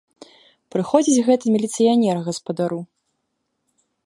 Прыходзіць гэта міліцыянер к гаспадару.